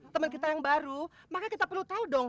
teman kita yang baru maka kita perlu tahu dong